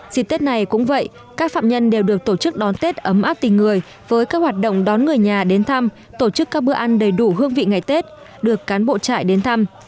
dịp tết này cũng vậy các phạm nhân đều được tổ chức đón tết ấm áp tình người với các hoạt động đón người nhà đến thăm tổ chức các bữa ăn đầy đủ hương vị ngày tết được cán bộ trại đến thăm